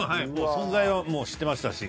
存在はもう知ってましたし。